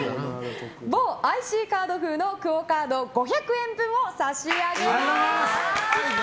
某ＩＣカード風のＱＵＯカード５００円分を差し上げます！